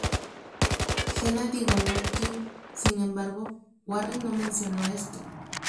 Gennady Golovkin, sin embargo, Warren no mencionó esto.